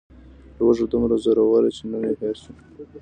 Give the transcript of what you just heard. لوږه دومره زور وه چې نوم مې هېر شو.